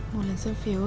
một lần dơ phiếu